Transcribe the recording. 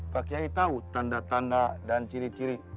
pak kiai tahu tanda tanda dan ciri ciri